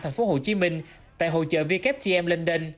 tp hcm tại hội chở vktm london